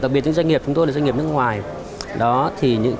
đặc biệt doanh nghiệp chúng tôi là doanh nghiệp nước ngoài